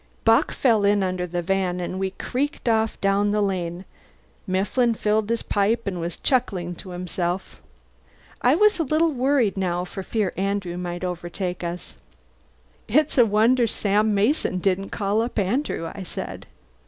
Bock fell in under the van, and we creaked off down the lane. Mifflin filled his pipe and was chuckling to himself. I was a little worried now for fear Andrew might overtake us. "It's a wonder Sam Mason didn't call up Andrew," I said.